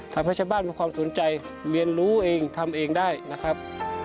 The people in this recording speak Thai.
ทำให้ชาวบ้านมีความสนใจเรียนรู้เองทำเองได้นะครับ